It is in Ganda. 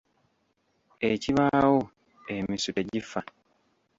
Ekibaawo emisu tegifa.